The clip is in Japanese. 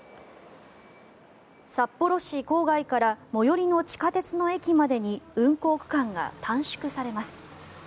札幌市郊外から最寄りの地下鉄の駅までに運行区間が短縮されます。